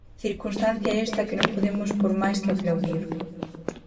Circunstancia esta que non podemos por mais que aplaudir.